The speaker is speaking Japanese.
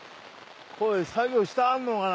作業してはんのかな？